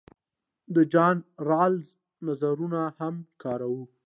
د جان رالز نظرونه هم کاروو.